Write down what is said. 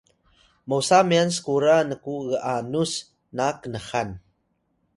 mosa myan skura nku g’anus na knxan